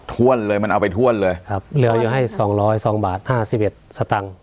ถ้วนเลยมันเอาไปถ้วนเลยครับเหลืออยู่ให้สองร้อยสองบาทห้าสิบเอ็ดสตังค์